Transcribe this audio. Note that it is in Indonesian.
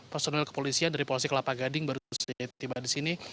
personel kepolisian dari polisi kelapa gading baru saja tiba di sini